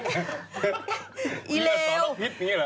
ติแวง